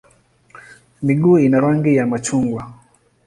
Miguu ina rangi ya machungwa.